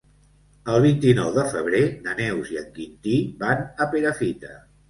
El vint-i-nou de febrer na Neus i en Quintí van a Perafita.